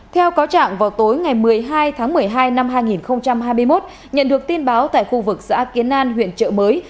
theo cáo trạng vào tối ngày một mươi hai tháng một mươi hai năm hai nghìn hai mươi một nhận được tin báo tại khu vực xã kiến an huyện trợ mới